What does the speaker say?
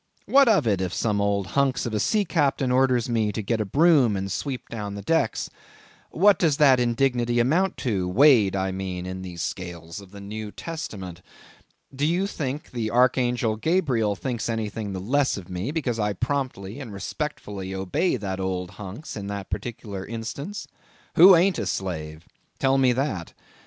What of it, if some old hunks of a sea captain orders me to get a broom and sweep down the decks? What does that indignity amount to, weighed, I mean, in the scales of the New Testament? Do you think the archangel Gabriel thinks anything the less of me, because I promptly and respectfully obey that old hunks in that particular instance? Who ain't a slave? Tell me that.